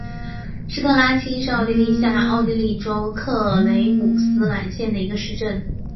施特拉青是奥地利下奥地利州克雷姆斯兰县的一个市镇。